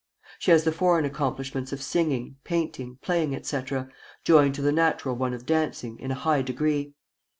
She has the foreign accomplishments of singing, painting, playing, etc., joined to the natural one of dancing, in a high degree.